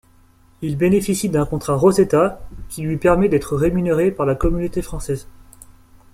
Il bénéficie d'un contrat Roseta, qui lui permet d'être rémunéré par la Communauté française.